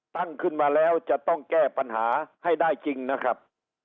ตั้งขึ้นมาแล้วจะต้องแก้ปัญหาให้ได้จริงนะครับ